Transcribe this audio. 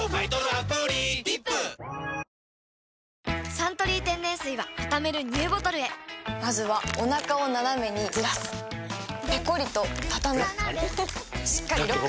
「サントリー天然水」はたためるＮＥＷボトルへまずはおなかをナナメにずらすペコリ！とたたむしっかりロック！